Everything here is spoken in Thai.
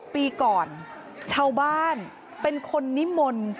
๖ปีก่อนเช่าบ้านเป็นคนนิมล